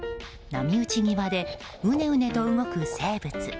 波打ち際でうねうねと動く生物。